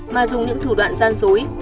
mà dùng những thủ đoạn giao hàng nhanh